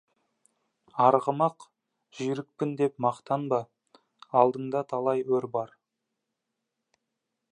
Арғымақ жүйрікпін деп мақтанба, алдыңда талай өр бар.